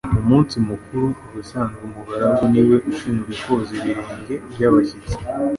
Mu munsi mukuru, ubusanzwe umugaragu ni we ushinzwe koza ibirenge by'abashyitsi,